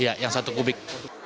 iya yang satu kubik